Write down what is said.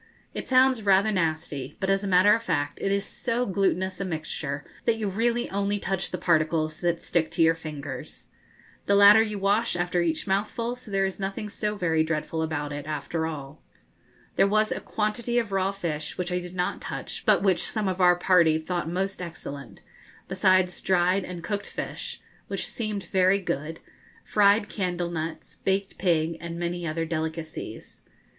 It sounds rather nasty; but, as a matter of fact, it is so glutinous a mixture that you really only touch the particles that stick to your fingers. The latter you wash after each mouthful, so that there is nothing so very dreadful about it after all. There was a quantity of raw fish, which I did not touch, but which some of our party thought most excellent, besides dried and cooked fish, which seemed very good, fried candle nuts, baked pig, and many other delicacies.